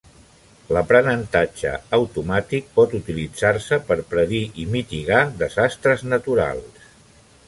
L'aprenentatge automàtic pot utilitzar-se per predir i mitigar desastres naturals.